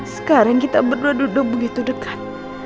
sekarang kita berdua duduk begitu dekat